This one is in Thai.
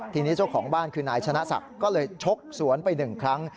ทีนี้เจ้าของบ้านคือนายชนะศักดิ์ก็เลยชกสวนไปหนึ่งครั้ง